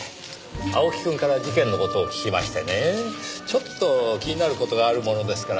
青木くんから事件の事を聞きましてねちょっと気になる事があるものですから。